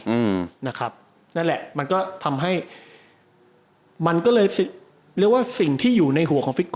อืมนะครับนั่นแหละมันก็ทำให้มันก็เลยเรียกว่าสิ่งที่อยู่ในหัวของฟิกโก